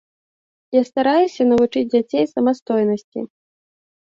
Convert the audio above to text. Я стараюся навучыць дзяцей самастойнасці.